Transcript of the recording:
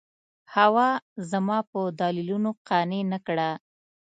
حوا زما په دلیلونو قانع نه کړه.